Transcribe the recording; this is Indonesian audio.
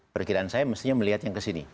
perkiraan saya mestinya melihat yang kesini